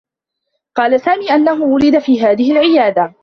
قال سامي أنّه وُلد في هذه العيادة.